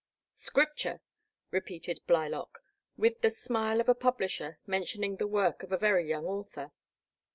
''Scripture," repeated Blylock, with the smile of a publisher mentioning the work of a very young author.